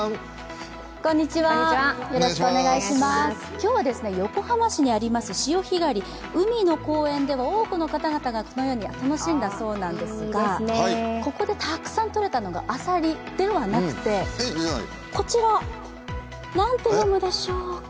今日は横浜市にあります潮干狩り、海の公園でも多くの方々がこのように楽しんだそうなんですがここでたくさんとれたのがあさりではなくて、こちら、なんて読むでしょうか？